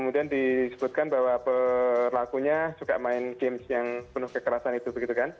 kemudian disebutkan bahwa pelakunya suka main games yang penuh kekerasan itu begitu kan